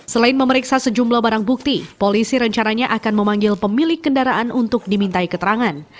selain memeriksa sejumlah barang bukti polisi rencananya akan memanggil pemilik kendaraan untuk dimintai keterangan